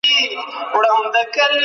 آیا مغولو خپله اشتباه درک کړه؟